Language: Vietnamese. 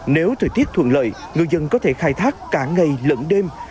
nếu thời tiết thuận lợi người dân có thể khai thác cả ngày lẫn đêm